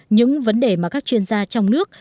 những vấn đề mà các chuyên gia trong nước